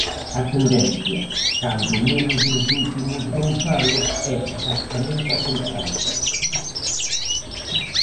A tendencia, cando menos nos últimos dous anos é exactamente a contraria.